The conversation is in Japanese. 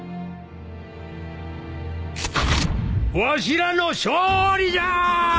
わしらの勝利じゃ！